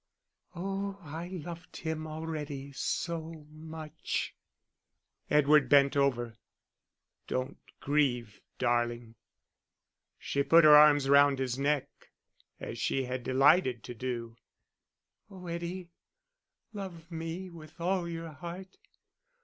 "Oh, I loved him already so much." Edward bent over. "Don't grieve, darling." She put her arms round his neck as she had delighted to do. "Oh, Eddie, love me with all your heart.